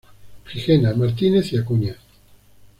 Gigena, Martínez y Acuña.